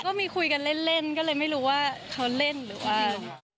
ก็มีคุยกันเล่นก็เลยไม่รู้ว่าเขาเล่นหรือว่า